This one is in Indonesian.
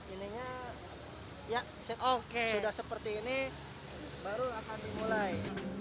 ininya ya sudah seperti ini baru akan dimulai